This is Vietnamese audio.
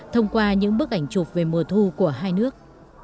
thông qua những bức ảnh chụp về mùa thu của hai nước